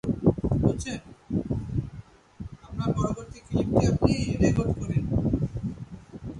শারীরস্থানের উপর নির্ভর করে এটি একটি পৃষ্ঠ ফুটো হিসাবে করা হয়।